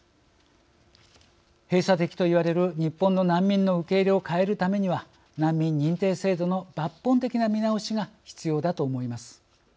閉鎖的と言われる日本の難民の受け入れを変えるためには難民認定制度の抜本的な見直しが必要だと思います。